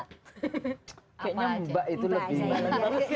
kayaknya mbak itu lebih